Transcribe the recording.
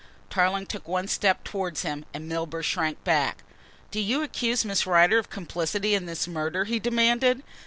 Tarling took one step towards him and Milburgh shrank back. "Do you accuse Miss Rider of complicity in this murder?" he demanded.